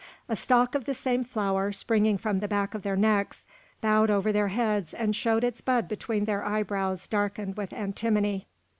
A stalk of the same flower, springing from the back of their necks, bowed over their heads and showed its bud between their eyebrows darkened with antimony.